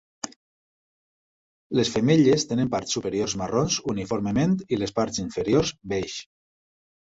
Les femelles tenen parts superiors marrons uniformement i les parts inferiors beix.